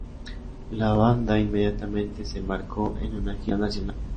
La banda inmediatamente se embarcó en una gira nacional.